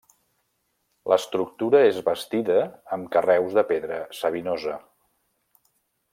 L'estructura és bastida amb carreus de pedra Savinosa.